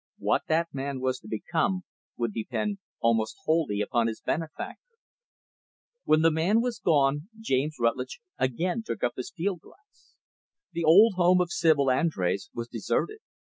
What that man was to become, would depend almost wholly upon his benefactor. When the man was gone, James Rutlidge again took up his field glass. The old home of Sibyl Andrés was deserted.